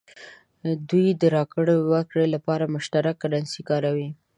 دوی د راکړې ورکړې لپاره مشترکه کرنسي کاروي.